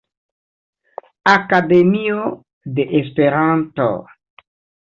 Akademio de Esperanto.